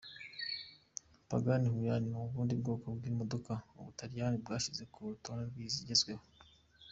Pagani Huayra ni ubundi bwoko bw’imodoka u Butaliyani bwashyize ku rutonde rw’izigezweho.